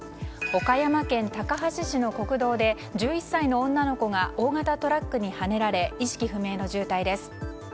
岡山県高梁市の国道で１１歳の女の子が大型トラックにはねられ意識不明の重体です。